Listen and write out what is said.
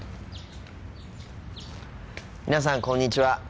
皆さんこんにちは。